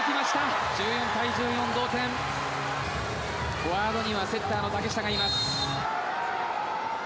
フォワードにはセッターの竹下がいます。